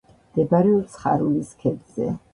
მდებარეობს ხარულის ქედზე.